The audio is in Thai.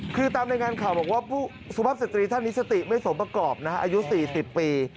คือตามรายงานข่าวบอกว่าผู้สุภาพสตรีท่านนี้สติไม่สมประกอบนะฮะอายุ๔๐ปี